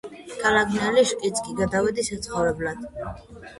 ქალაქ ნეშვილშიც კი გადავედი საცხოვრებლად.